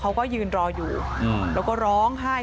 เขาก็ยืนรออยู่แล้วก็ร้องไห้